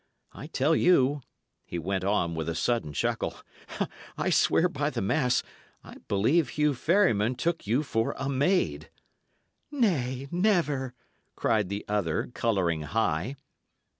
I tell you," he went on, with a sudden chuckle, "I swear by the mass I believe Hugh Ferryman took you for a maid." "Nay, never!" cried the other, colouring high.